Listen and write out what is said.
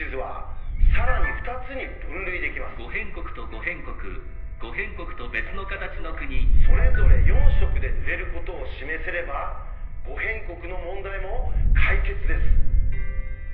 この２つをそれぞれ４色で塗れることを示せれば「五辺国」の問題も解決です。